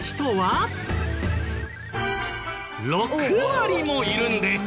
６割もいるんです。